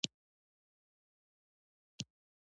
نن سبا متحده ایالتونه لګیا دي تاوان پرې کوي.